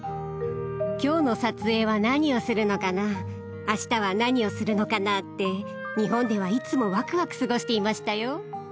今日の撮影は何をするのかな明日は何をするのかなって日本ではいつもワクワク過ごしていましたよ